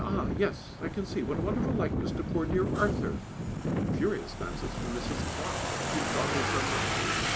"Ah! yes I can see! What a wonderful likeness to poor dear Arthur!" Furious glances from Mrs. Clarke, whose daughters are my age!